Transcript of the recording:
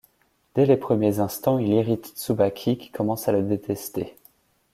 Dès les premiers instants, il irrite Tsubaki qui commence à le détester.